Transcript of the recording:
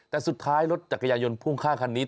แต่สุดท้ายรถจักรยายนพ่วงข้างคันนี้